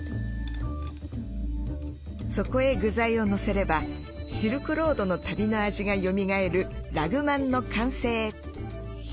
そこへ具材をのせればシルクロードの旅の味がよみがえるラグマンの完成。